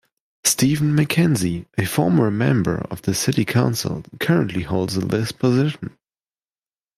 Steven Mackenzie, a former member of the city council, currently holds this position.